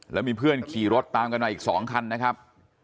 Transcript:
แล้วมีเพื่อนขี่รถตามกันมาอีก๒คันนะครับ